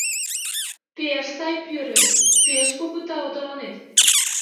Пеш сай пӱрӧ, пеш кугу тау тыланет...